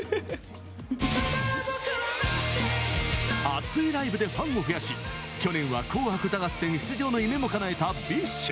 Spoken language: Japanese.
熱いライブでファンを増やし去年は「紅白歌合戦」出場の夢もかなえた、ＢｉＳＨ。